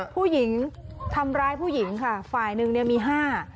ผู้หญิงทำร้ายผู้หญิงค่ะฝ่ายหนึ่งเนี่ยมีห้า